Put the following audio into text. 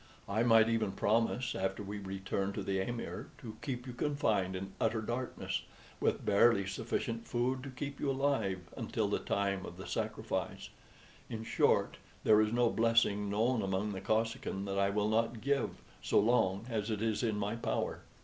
I might even promise, after we return to the amir, to keep you confined in utter darkness, with barely sufficient food to keep you alive until the time of the sacrifice; in short, there is no blessing known among the Kosekin that I will not give so long as it is in my power.